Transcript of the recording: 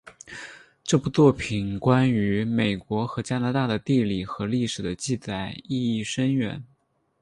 这部作品关于美国和加拿大的地理和历史的记载意义深远。